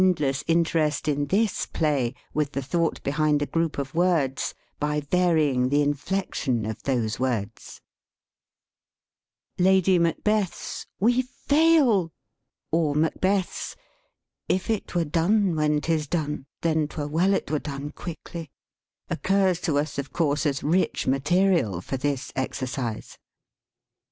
So for the student of vocal expression there is endless interest in this play, with the thought behind a group of words, by varying the in flection of those words. Lady Macbeth's, "We fail!" or Macbeth's, "If it were done when 'tis done, then 'twere well it were done quickly," occurs to us, of course, as rich material for this exercise.